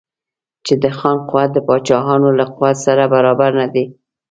چې د خان قوت د پاچاهانو له قوت سره برابر نه دی.